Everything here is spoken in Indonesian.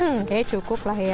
oke cukup lah ya